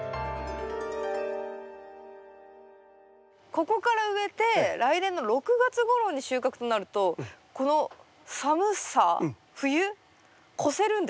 ここから植えて来年の６月ごろに収穫となるとこの寒さ冬越せるんですか？